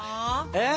えっ？